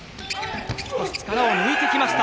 少し力を抜いてきました。